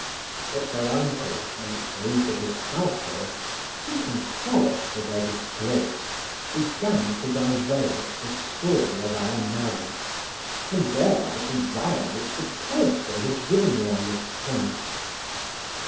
But her uncle and those of his household, seeking solace for their disgrace, began to divulge the story of our marriage, and thereby to violate the pledge they had given me on this point.